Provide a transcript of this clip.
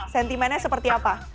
sentimennya seperti apa